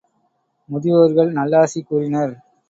முதியோர்கள் நல்லாசி கூறினர்.